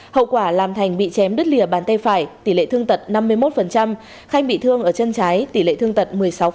hậu quả làm thành bị chém đứt lìa bàn tay phải tỷ lệ thương tật năm mươi một khanh bị thương ở chân trái tỷ lệ thương tật một mươi sáu